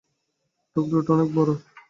টুকরোটা অনেক বড়ো।